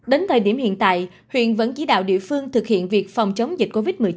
đến thời điểm hiện tại huyện vẫn chỉ đạo địa phương thực hiện việc phòng chống dịch covid một mươi chín